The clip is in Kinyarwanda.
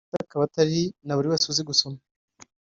ndetse akaba atari na buri wese uzi gusoma